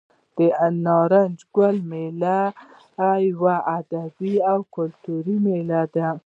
د نارنج ګل میله یوه ادبي او کلتوري میله ده.